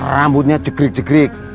rambutnya degrik degrik